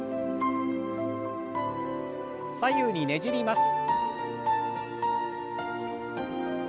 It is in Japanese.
左右にねじります。